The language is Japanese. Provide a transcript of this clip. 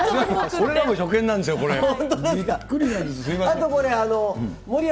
僕らも初見なんですよ、これ。